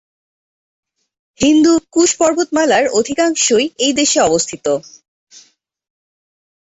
হিন্দু কুশ পর্বতমালার অধিকাংশই এই দেশে অবস্থিত।